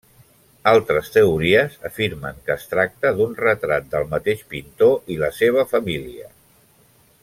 Altres teories afirmen que es tracta d'un retrat del mateix pintor i la seva família.